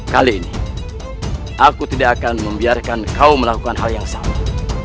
kali ini aku tidak akan membiarkan kau melakukan hal yang sama